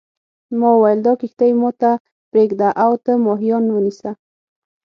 ما وویل دا کښتۍ ما ته پرېږده او ته ماهیان ونیسه.